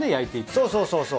そうそうそうそう。